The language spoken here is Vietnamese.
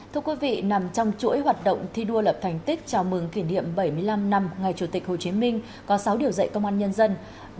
thưa quý vị nằm trong chuỗi hoạt động thi đua lập thành tích chào mừng kỷ niệm bảy mươi năm năm ngày chủ tịch hồ chí minh có sáu điều dạy công an nhân dân